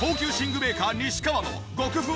メーカー西川の極ふわ